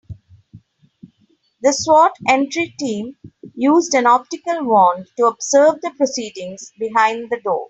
The S.W.A.T. entry team used an optical wand to observe the proceedings behind the door.